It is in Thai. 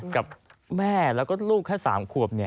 กับแม่แล้วก็ลูกแค่สามควบเนี่ย